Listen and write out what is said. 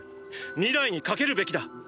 未来に賭けるべきだ！